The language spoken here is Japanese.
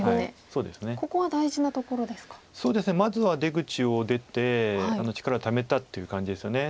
そうですねまずは出口を出て力をためたっていう感じですよね。